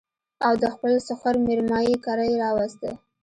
او د خپل سخر مېرمايي کره يې راوسته